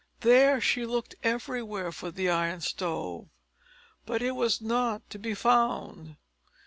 There she looked everywhere for the Iron Stove, but it was not to be found.